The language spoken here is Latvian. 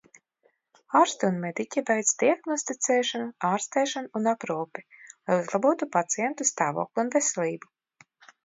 Ārsti un mediķi veic diagnosticēšanu, ārstēšanu un aprūpi, lai uzlabotu pacientu stāvokli un veselību.